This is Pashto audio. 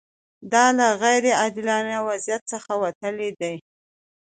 دا له غیر عادلانه وضعیت څخه وتل دي.